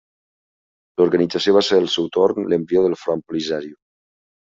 L'organització va ser al seu torn l'embrió del Front Polisario.